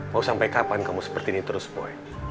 mau sampai kapan kamu seperti ini terus boy